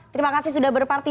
terima kasih sudah berparti